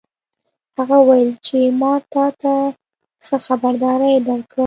هغه وویل چې ما تا ته ښه خبرداری درکړ